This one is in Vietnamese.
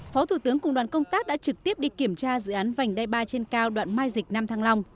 phó thủ tướng cùng đoàn công tác đã trực tiếp đi kiểm tra dự án vành đai ba trên cao đoạn mai dịch nam thăng long